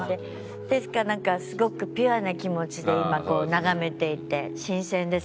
ですからなんかすごくピュアな気持ちで今眺めていて新鮮です